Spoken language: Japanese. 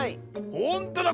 ほんとだ！